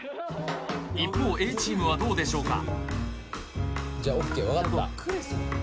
一方ＡチームはどうでしょうかじゃあＯＫ